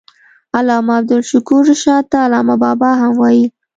علامه عبدالشکور رشاد ته علامه بابا هم وايي.